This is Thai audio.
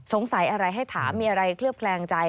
ใส่อะไรให้ถามมีอะไรเคลือบแคลงใจ